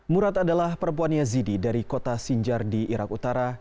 murad adalah perempuan yazidi dari kota sinjar di irak utara